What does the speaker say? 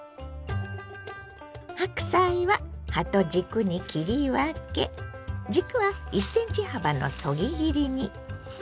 白菜は葉と軸に切り分け軸は１ｃｍ幅のそぎ切りに。